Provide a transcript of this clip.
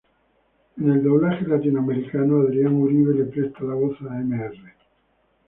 En el doblaje latinoamericano, Adrián Uribe le presta la voz a Mr.